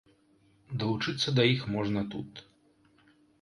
Далучыцца да іх можна тут.